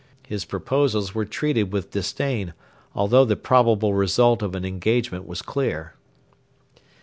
His proposals were treated with disdain, although the probable result of an engagement was clear.